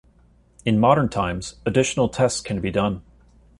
In modern times, additional tests can be done.